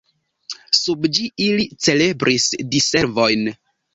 Sub ĝi ili celebris diservojn.